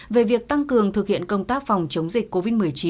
về việc tăng cường thực hiện công tác phòng chống dịch covid một mươi chín